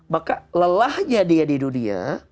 maka lelahnya dia di dunia